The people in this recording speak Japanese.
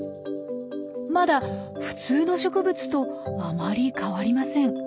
まだ普通の植物とあまり変わりません。